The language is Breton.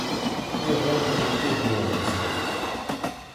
Ne roan ket te dezhañ neuze.